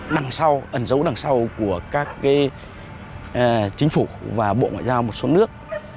đằng sau ẩn dấu đằng sau của các chính phủ và bộ ngoại giao một số nước